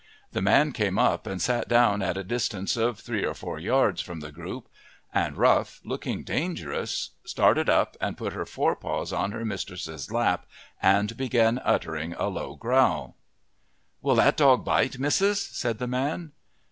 The man came up and sat down at a distance of three or four yards from the group, and Rough, looking dangerous, started up and put her forepaws on her mistress's lap and began uttering a low growl. "Will that dog bite, missus?" said the man.